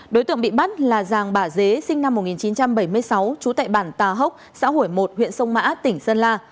đối tượng bị bắt là giàng bà dế sinh năm một nghìn chín trăm bảy mươi sáu trú tại bản tà hốc xã hủy một huyện sông mã tỉnh sơn la